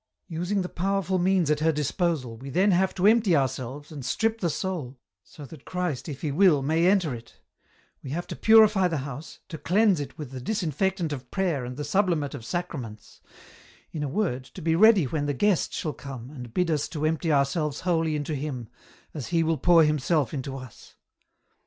" Using the powerful means at her disposal, we then have to empty ourselves, and strip the soul, so that Christ if He will may enter it ; we have to purify the house, to cleanse it with the disinfectant of prayer and the sublimate of Sacraments ; in a word, to be ready when the Guest shall come and bid us to empty ourselves wholly into Him, as He will pour Himself into us.